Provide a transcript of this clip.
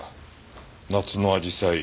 夏の紫陽花。